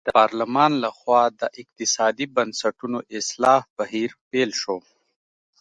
د پارلمان له خوا د اقتصادي بنسټونو اصلاح بهیر پیل شو.